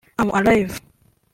I'm Alive